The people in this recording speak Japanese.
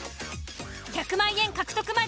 １００万円獲得まで